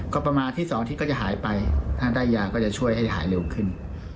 ก็ประมาณอาทิตย์๒อาทิตย์ก็จะหายไปถ้าได้ยาก็จะช่วยให้หายเร็วขึ้น